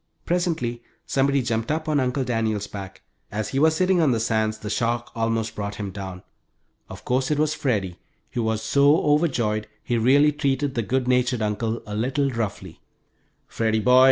Presently somebody jumped up on Uncle Daniel's back. As he was sitting on the sands the shock almost brought him down. Of course it was Freddie, who was so overjoyed he really treated the good natured uncle a little roughly. "Freddie boy!